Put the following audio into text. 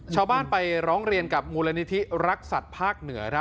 ชาวบ้านไปร้องเรียนกับมูลนิธิรักษัตริย์ภาคเหนือ